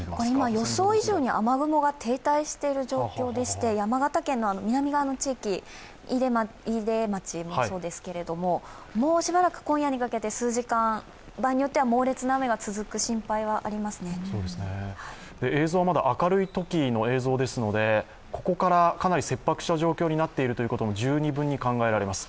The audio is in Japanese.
予想以上に雨雲が停滞している状況でして山形県の南側の地域、飯豊町もそうですけれども、もうしばらく、今夜にかけて数時間場合によっては猛烈な雨が続く映像は明るいときの映像ですのでここからかなり切迫した状況になっているということも十二分に考えられます。